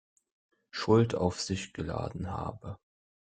Schuld auf sich geladen habe.